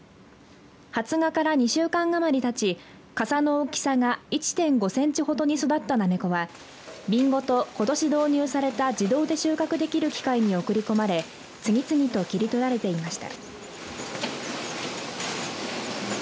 発芽から２週間余りたちかさの大きさが１．５センチほどに育ったなめこは瓶ごと、ことし導入された自動で収穫できる機械に送り込まれ次々と切り取られていました。